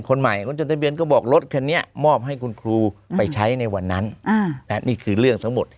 คนใหม่คนจดทะเบียนก็บอกรถคันนี้มอบให้คุณครูไปใช้ในวันนั้นนี่คือเรื่องทั้งหมด